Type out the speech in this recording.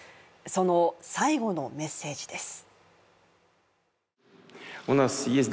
その最後のメッセージです